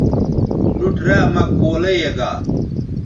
نُوٹ را مہ کولئ یے گا